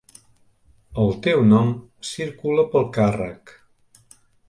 El teu nom circula pel càrrec.